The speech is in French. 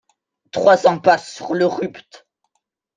trois impasse sur le Rupt